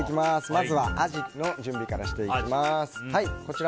まずはアジの準備からしていきます。